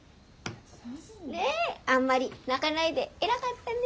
ねえあんまり泣かないで偉かったね。